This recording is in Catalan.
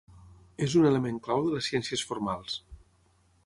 És un element clau de les ciències formals.